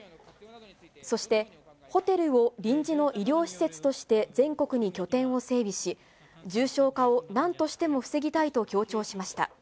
そして、ホテルを臨時の医療施設として全国に拠点を整備し、重症化をなんとしても防ぎたいと強調しました。